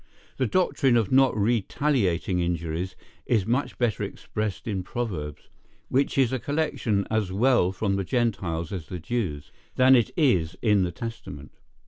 The doctrine of not retaliating injuries is much better expressed in Proverbs, which is a collection as well from the Gentiles as the Jews, than it is in the Testament.